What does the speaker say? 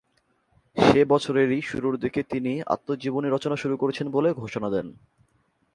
সে বছরেরই শুরুর দিকে তিনি আত্মজীবনী রচনা শুরু করেছেন বলে ঘোষণা দেন।